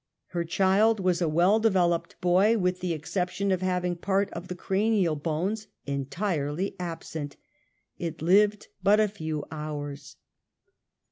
Her child was a w^ell developed boy, with the exception of having part of the cranial bones entirely absent. It lived but a few hours.